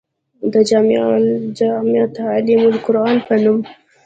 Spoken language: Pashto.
د جامعه تعليم القرآن پۀ نوم